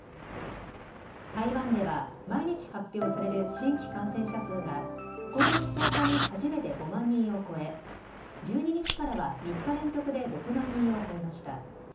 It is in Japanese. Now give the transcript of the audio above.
台湾では毎日発表される新規感染者数が今月１０日に初めて５万人を超え１２日からは３日連続で６万人を超えました。